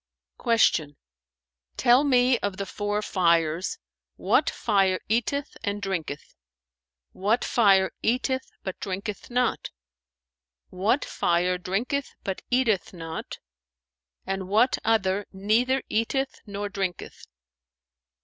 [FN#442]" Q "Tell me of the four fires, what fire eateth and drinketh; what fire eateth but drinketh not; what fire drinketh but eateth not and what other neither eateth nor drinketh?"